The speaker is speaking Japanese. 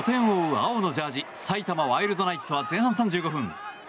青のジャージー埼玉ワイルドナイツが前半３５分